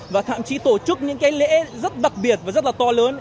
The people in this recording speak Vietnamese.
và thậm chí tổ chức những cái lễ rất đặc biệt và rất là to lớn